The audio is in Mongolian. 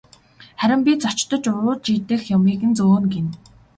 Харин би зочдод ууж идэх юмыг нь зөөнө гэнэ.